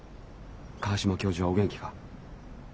川島教授はお元気か？